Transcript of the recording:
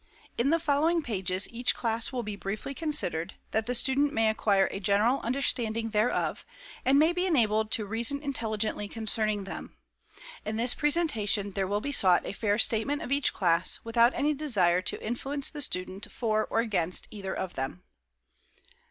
In the following pages each class will be briefly considered, that the student may acquire a general understanding thereof, and may be enabled to reason intelligently concerning them. In this presentation there will be sought a fair statement of each class, without any desire to influence the student for or against either of them.